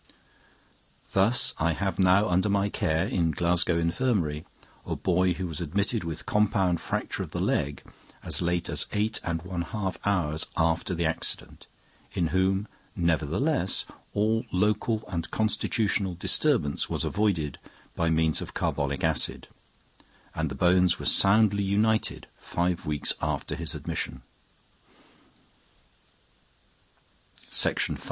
Thus I have now under my care, in Glasgow Infirmary, a boy who was admitted with compound fracture of the leg as late as eight and one half hours after the accident, in whom, nevertheless, all local and constitutional disturbance was avoided by means of carbolic acid, and the bones were soundly united five weeks after his admission.